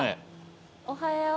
おはよう。